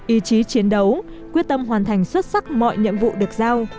ý chí chiến đấu quyết tâm hoàn thành xuất sắc mọi nhiệm vụ được giao